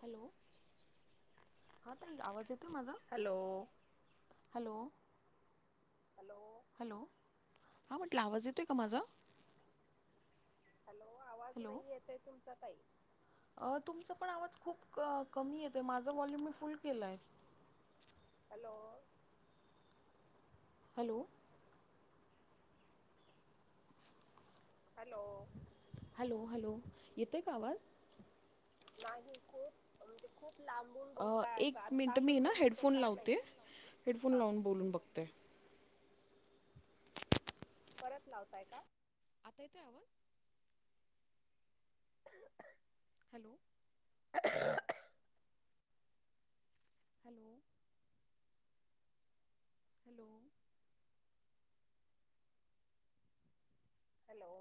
Hello हा ताई, आवाज येतो आहे माझा? हॅलो. हॅलो. हॅलो. हॅलो हा म्हटलं, आवाज येतो आहे का माझा? हॅलो आवाज हॅलो नाही येतय तुमचा ताई. तुमचा पण आवाज खूप क कमी येतोय, माझा व्हॉल्यूम मी फुल केला आहे. Hello. Hello. Hello. Hello hello येतोय का आवाज? नाही खूप म्हणजे खूप लांब. एक मिनंट मी ना हेडफोन लावते नाही हेडफोन हा लावून बोलून बघतेय. [inaudible] परत लावताय का? आता येतोय आवाज? Hello. [unintelligible] Hello. Hello. Hello.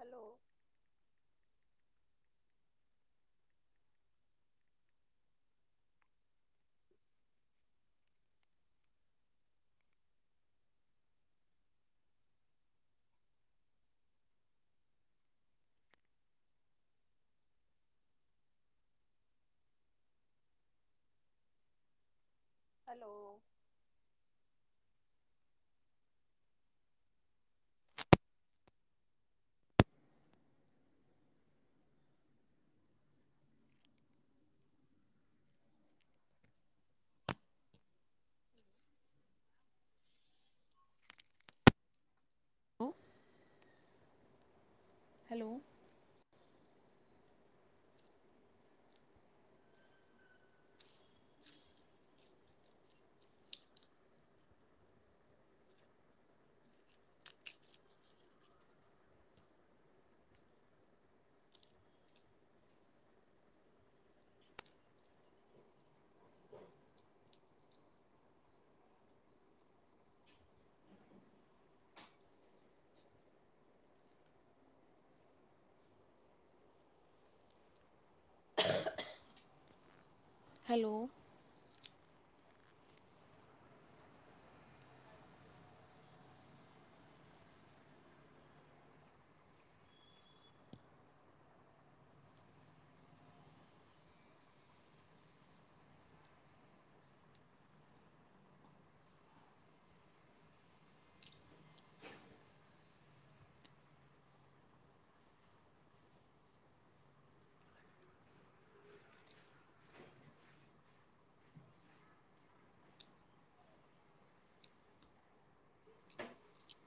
Hello. Hello. Hello. Hello. [unintelligible] [unintelligible] [inaudible] Hello. [inaudible]